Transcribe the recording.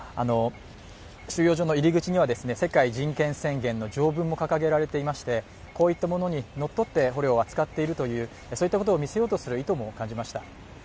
収容所の入り口には世界人権宣言の条文も書かれていまして、こういったものに則って捕虜を扱っているというそういったことを見せようとする意図も感じました。